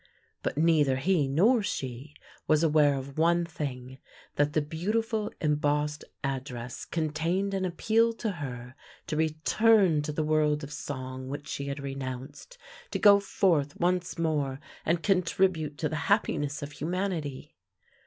But neither he nor she was aware of one thing, that the beautiful embossed address contained an appeal to her to return to the world of song which she had renounced; to go forth once more and con tribute to the happiness of humanity.